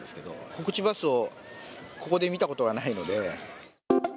コクチバスを、ここで見たことはないので。